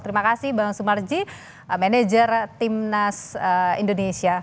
terima kasih bang sumarji manager timnas indonesia